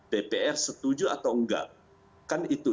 dpr setuju atau enggak kan itu